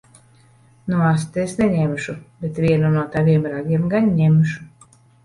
Nu asti es neņemšu. Bet vienu no taviem ragiem gan ņemšu.